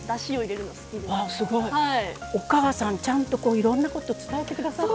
すごい！お母さんちゃんといろんなこと伝えて下さってるね。